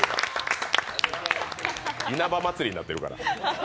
稲葉祭りになってるから。